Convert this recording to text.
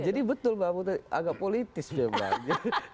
jadi betul agak politis memang